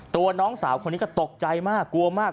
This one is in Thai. น้องสาวคนนี้ก็ตกใจมากกลัวมาก